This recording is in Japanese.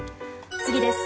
次です。